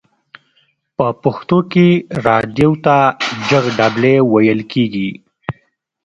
په پښتو کې رادیو ته ژغ ډبلی ویل کیږی.